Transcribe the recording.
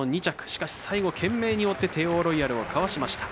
しかし、最後懸命に追ってテーオーロイヤルをかわしました。